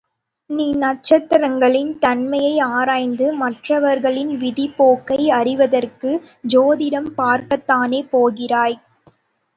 நீ நட்சத்திரங்களின் தன்மையை ஆராய்ந்து மற்றவர்களின் விதிப்போக்கை அறிவதற்குச் சோதிடம் பார்க்கத்தானே போகிறாய்!